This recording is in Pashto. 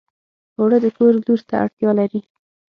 اوړه د کور لور ته اړتیا لري